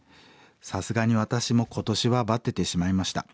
さすがに私も今年はバテてしまいました。